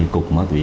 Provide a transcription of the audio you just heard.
cục ma túy